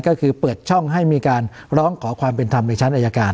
ก็คือเปิดช่องให้มีการร้องขอความเป็นธรรมในชั้นอายการ